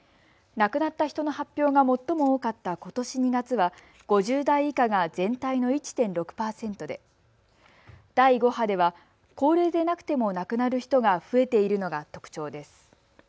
亡くなった人の発表が最も多かったことし２月は５０代以下が全体の１．６％で第５波では高齢でなくても亡くなる人が増えているのが特徴です。